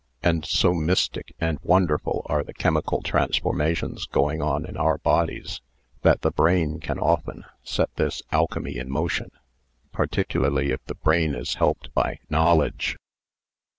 And so mystic and wonderful are the chemical transformations going on in our bodies that the brain can often set this alchemy in motion, particularly if the brain is helped hy know ledge.